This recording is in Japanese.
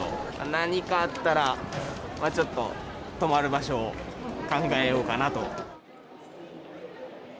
何かあったら、まあちょっと泊まる場所を考えようかなと。